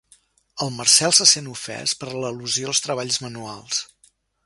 El Marcel se sent ofès per l'al·lusió als treballs manuals.